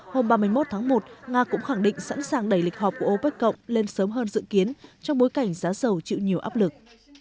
hôm ba mươi một tháng một nga cũng khẳng định sẵn sàng đẩy lịch họp của opec cộng lên sớm hơn dự kiến trong bối cảnh giá dầu chịu nhiều áp lực